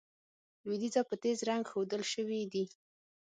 لوېدیځه په تېز رنګ ښودل شوي دي.